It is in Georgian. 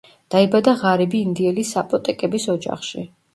დაიბადა ღარიბი ინდიელი საპოტეკების ოჯახში.